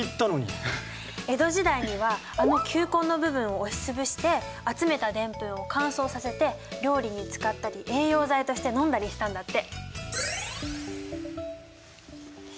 江戸時代にはあの球根の部分を押しつぶして集めたデンプンを乾燥させて料理に使ったり栄養剤として飲んだりしたんだって。